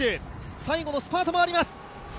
最後のスパートもあります。